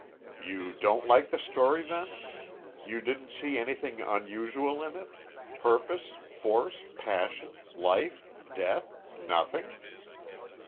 "You don't like the story, then? You didn't see anything unusual in it purpose, force, passion, life, death, nothing?"